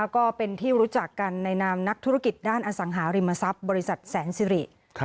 ก็เป็นที่รู้จักกันในนามนักธุรกิจด้านอสังหาริมทรัพย์บริษัทแสนสิริ